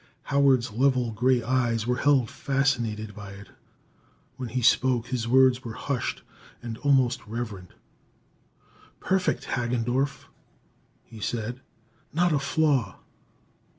Howard's level gray eyes were held fascinated by it. When he spoke, his words were hushed and almost reverent. "Perfect, Hagendorff!" he said. "Not a flaw!"